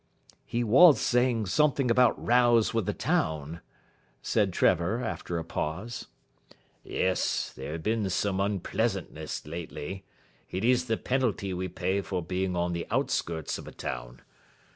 "He was saying something about rows with the town," said Trevor, after a pause. "Yes, there has certainly been some unpleasantness lately. It is the penalty we pay for being on the outskirts of a town.